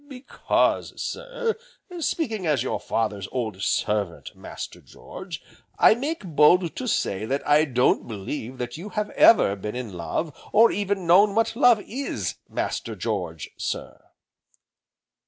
"Because, sir, speaking as your father's old servant, Master George, I make bold to say that I don't believe that you have ever been in love, or even know what love is, Master George, sir."